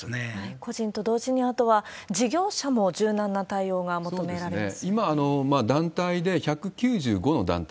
個人と同時に、あとは事業者も柔軟な対応が求められます。